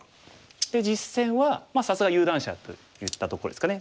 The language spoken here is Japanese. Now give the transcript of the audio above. で実戦はさすが有段者といったところですかね。